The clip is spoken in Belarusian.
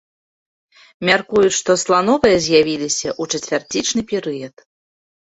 Мяркуюць, што слановыя з'явіліся ў чацвярцічны перыяд.